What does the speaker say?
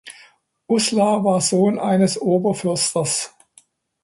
Uslar war Sohn eines Oberförsters.